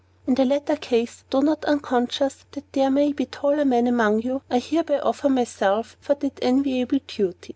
In the latter case, though not unconscious that there may be taller men among you, I hereby offer myself for that enviable duty.